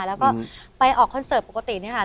แล้วก็ไปออกคอนเสิร์ตปกติเนี่ยค่ะ